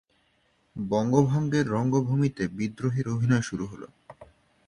বঙ্গভঙ্গের রঙ্গভূমিতে বিদ্রোহীর অভিনয় শুরু হল।